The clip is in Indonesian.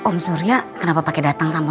om surya kenapa pakai datang sama